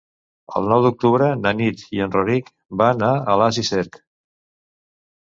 El nou d'octubre na Nit i en Rauric van a Alàs i Cerc.